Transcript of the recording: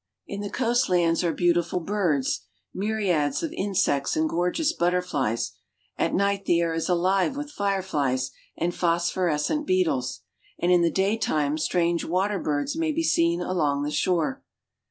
In the coast lands are beautiful birds, myriads of insects, and gorgeous butterflies ; at night the air is alive with fire flies and phosphorescent beetles, and in the daytime strange water birds may be seen along the shore.